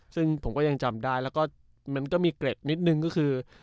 ซึ่งผมก็ยังจำได้แล้วก็มันก็มีเกร็ดนิดนึงก็คือ